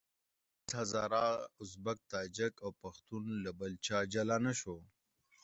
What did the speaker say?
دلته هېڅ هزاره، ازبک، تاجک او پښتون له بل چا جلا نه شو.